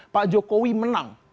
pak jokowi menang